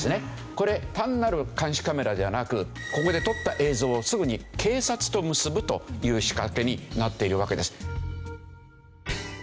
これ単なる監視カメラじゃなくここで撮った映像をすぐに警察と結ぶという仕掛けになっているわけです。